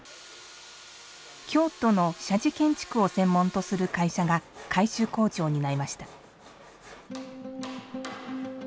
京都の社寺建築を専門とする会社が改修工事を担いました。